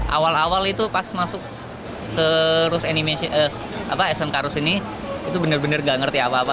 awal awal itu pas masuk ke smk rus ini itu bener bener gak ngerti apa apa